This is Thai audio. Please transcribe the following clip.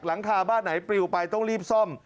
หลังคาบ้านไหนปลิวไปต้องรีบซ่อม